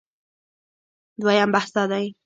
دویم بحث دا دی